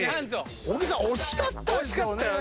小木さん惜しかったですよね？